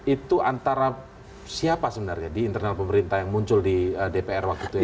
itu antara siapa sebenarnya di internal pemerintah yang muncul di dpr waktu itu ya